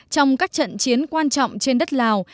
trong các trận chiến quan trọng trên đất lào